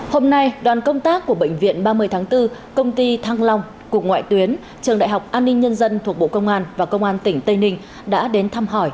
hôm nay đoàn công tác của bệnh viện ba mươi tháng bốn công ty thăng long cục ngoại tuyến trường đại học an ninh nhân dân thuộc bộ công an và công an tỉnh tây ninh đã đến thăm hỏi